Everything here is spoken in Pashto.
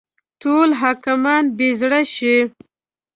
ټول حاکمان بې زړه شي.